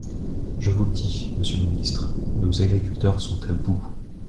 Je vous le dis, monsieur le ministre, nos agriculteurs sont à bout.